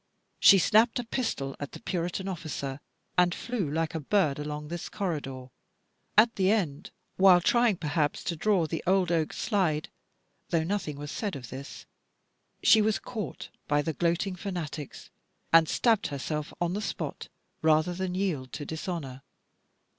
She snapped a pistol at the Puritan officer, and flew like a bird along this corridor. At the end, while trying perhaps to draw the old oak slide though nothing was said of this she was caught by the gloating fanatics, and stabbed herself on the spot rather than yield to dishonour.